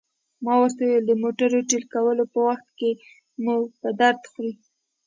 ما ورته وویل: د موټر ټېله کولو په وخت کې مو په درد خوري.